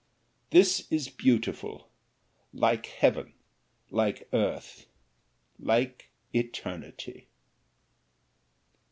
This is beautiful like heaven, like earth like eternity!"